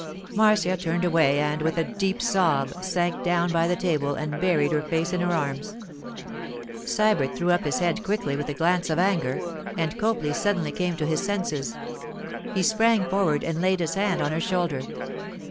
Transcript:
Marcia turned away and, with a deep sob, sank down by the table and buried her face in her arms. Sybert threw up his head quickly with a glance of anger, and Copley suddenly came to his senses. He sprang forward and laid his hand on her shoulder.